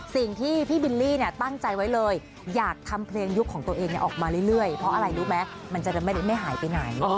สิ่งที่พี่บิลลี่ตั้งใจไว้เลยอยากทำเพลงยุคของตัวเองออกมาเรื่อยเพราะอะไรรู้ไหมมันจะไม่หายไปไหน